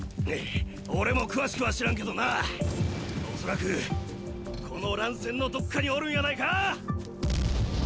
俺も詳しくは知らんけどなおそらくこの乱戦のどっかにおるんやないか。